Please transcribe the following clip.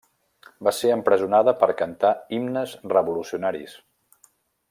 Va ser empresonada per cantar himnes revolucionaris.